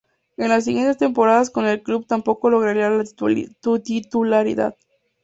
En las siguientes temporadas con el club tampoco lograría la titularidad.